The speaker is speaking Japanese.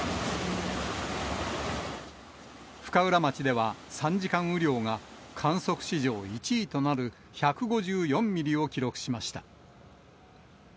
深浦町では、３時間雨量が、観測史上１位となる１５４ミリを記録しました。